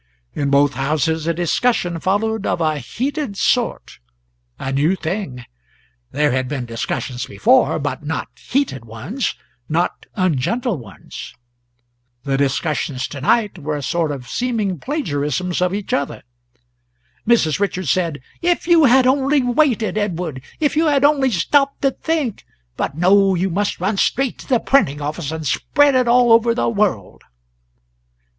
In both houses a discussion followed of a heated sort a new thing; there had been discussions before, but not heated ones, not ungentle ones. The discussions to night were a sort of seeming plagiarisms of each other. Mrs. Richards said: "If you had only waited, Edward if you had only stopped to think; but no, you must run straight to the printing office and spread it all over the world."